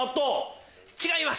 違います。